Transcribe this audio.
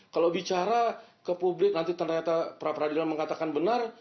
kalau bicara ke publik nanti ternyata pra peradilan mengatakan benar